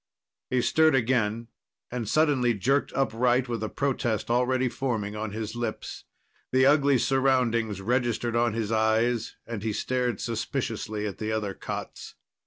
He stirred again, and suddenly jerked upright with a protest already forming on his lips. The ugly surroundings registered on his eyes, and he stared suspiciously at the other cots.